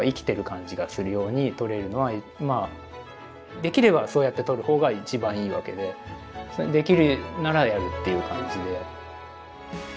できればそうやって撮る方が一番いいわけでできるならやるっていう感じで。